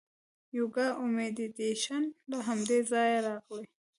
یوګا او میډیټیشن له همدې ځایه راغلي.